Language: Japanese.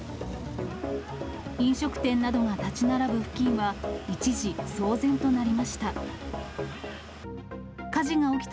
飲食店などが建ち並ぶ付近は、一時騒然となりました。